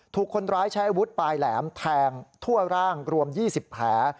ถูกคนร้ายใช้อาวุธปลายแหลมแทงทั่วร่างรวม๒๐แผล